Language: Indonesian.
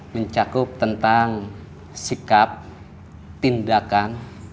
mencakup tentang sikap tindakan